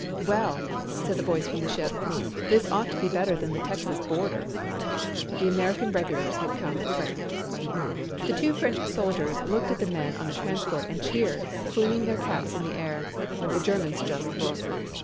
"Well," said the voice from the ship, "this ought to be better than the Texas border." The American regulars had come to France. The two French soldiers looked at the men on the transport and cheered, flinging their caps in the air. The Germans just looked.